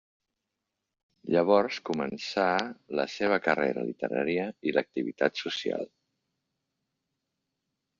Llavors començà la seva carrera literària i l'activitat social.